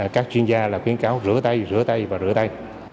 các chuyên gia là khuyến cáo rửa tay rửa tay và rửa tay